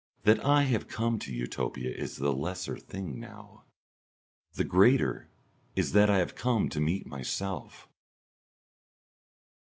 That I have come to Utopia is the lesser thing now; the greater is that I have come to meet myself.